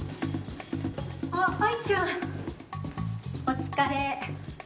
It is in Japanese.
あいちゃん、お疲れ。